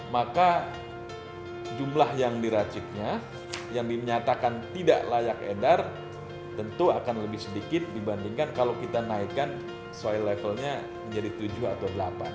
maka jumlah yang diraciknya yang dinyatakan tidak layak edar tentu akan lebih sedikit dibandingkan kalau kita naikkan soal levelnya menjadi tujuh atau delapan